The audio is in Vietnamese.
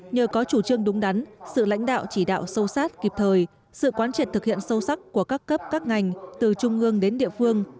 nhờ có chủ trương đúng đắn sự lãnh đạo chỉ đạo sâu sát kịp thời sự quán triệt thực hiện sâu sắc của các cấp các ngành từ trung ương đến địa phương